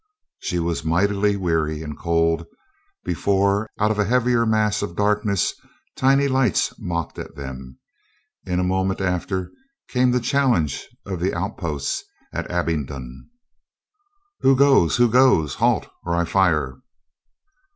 She was mightily weary and cold before, out of a heavier mass of darkness, tiny lights mocked at them. In a moment after came the challenge of the outposts at Abingdon. "Who goes? Who goes? Halt or I fire."